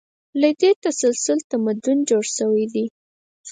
له دې تسلسل تمدن جوړ شوی دی.